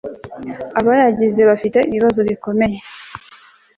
abayagize bafitanye ibibazo bikomeye